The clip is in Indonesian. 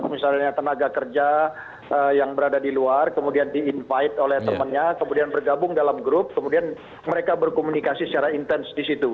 misalnya tenaga kerja yang berada di luar kemudian di invite oleh temannya kemudian bergabung dalam grup kemudian mereka berkomunikasi secara intens di situ